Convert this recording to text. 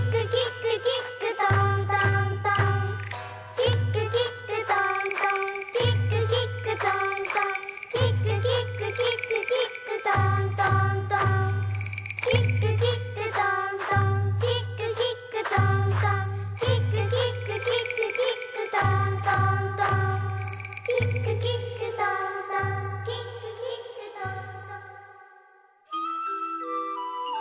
「キックキックトントンキックキックトントン」「キックキックキックキックトントントン」「キックキックトントンキックキックトントン」「キックキックキックキックトントントン」「キックキックトントンキックキックトントン」